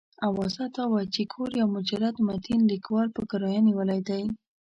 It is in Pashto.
اوازه دا وه چې کور یو مجرد متین لیکوال په کرایه نیولی دی.